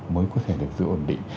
mới có thể được giữ ổn định